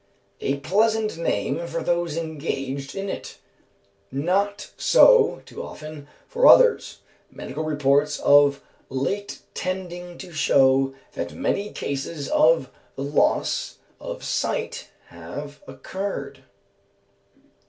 _ A pleasant game for those engaged in it; not so, too often, for others, medical reports of late tending to show that many cases of the loss of sight have occurred.